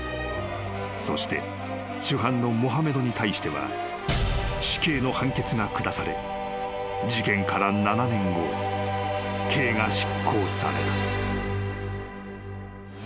［そして主犯のモハメドに対しては死刑の判決が下され事件から７年後刑が執行された］